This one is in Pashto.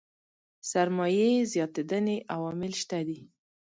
سرمايې زياتېدنې عوامل شته دي.